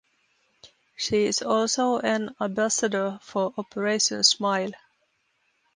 She is also an ambassador for Operation Smile.